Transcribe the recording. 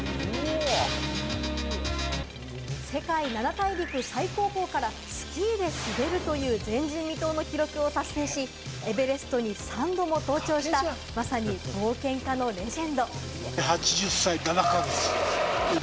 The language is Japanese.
世界７大陸最高峰からスキーで滑るという前人未到の記録を達成し、エベレストに３度も登頂した、まさに冒険家のレジェンド。